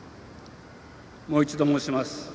もう一度、申します。